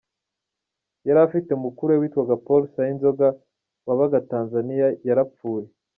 Yari afite mukuru we, witwaga Paul Sayinzoga wabaga Tanzaniya, yarapfuye.